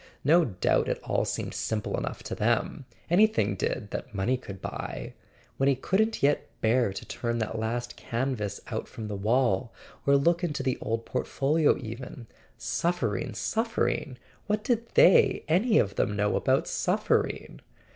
No doubt it all seemed simple enough to them: anything did, that money could buy. .. When he couldn't yet bear to turn that last canvas out from the wall, or look into the old port¬ folio even. .. Suffering, suffering! What did they any of them know about suffering?